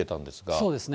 そうですね。